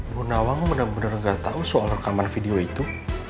bu nawang benar benar nggak tahu soal rekaman video itu